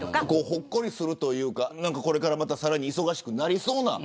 ほっこりするというかこれからさらに忙しくなりそうな。